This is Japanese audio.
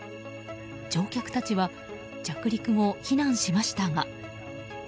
乗客たちは着陸後避難しましたが。